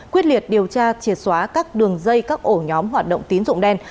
quyết liệt điều tra triệt xóa các đường dây các ổ nhóm hoạt động tín dụng đen